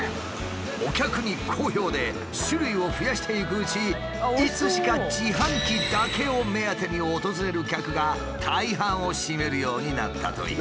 お客に好評で種類を増やしていくうちいつしか自販機だけを目当てに訪れる客が大半を占めるようになったという。